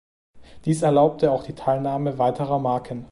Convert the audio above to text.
Dies erlaubte auch die Teilnahme weiterer Marken.